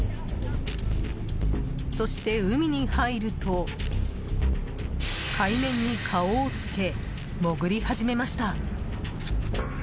そして海に入ると海面に顔をつけ、潜り始めました。